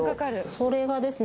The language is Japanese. それがですね